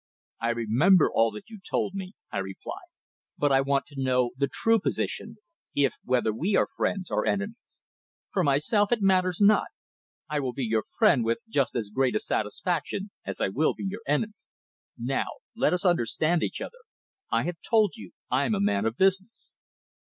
"I remember all that you told me," I replied. "But I want to know the true position, if whether we are friends, or enemies? For myself, it matters not. I will be your friend with just as great a satisfaction as I will be your enemy. Now, let us understand each other. I have told you, I'm a man of business."